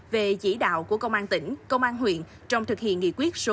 về chỉ đạo của công an tỉnh công an huyện trong thực hiện nghị quyết số một mươi